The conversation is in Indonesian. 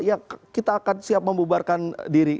ya kita akan siap membubarkan diri